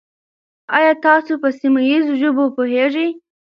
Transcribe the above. آیا تاسو په سیمه ییزو ژبو پوهېږئ؟